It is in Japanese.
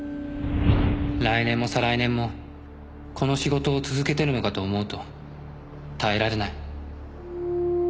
「来年も再来年もこの仕事を続けてるのかと思うと耐えられない」